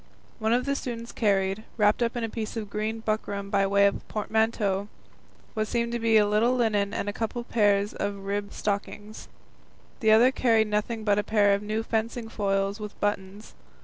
One of the students carried, wrapped up in a piece of green buckram by way of a portmanteau, what seemed to be a little linen and a couple of pairs of ribbed stockings; the other carried nothing but a pair of new fencing foils with buttons.